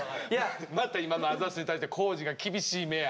また今の「あざっす」に対して康二が厳しい目や。